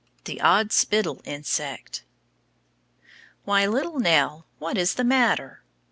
THE ODD SPITTLE INSECT Why, little Nell! What is the matter?